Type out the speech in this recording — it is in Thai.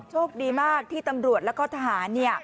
โชคดีมากที่ตำรวจแล้วก็ทหาร